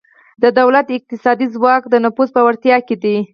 د دولت اقتصادي ځواک د نفوذ په وړتیا کې دی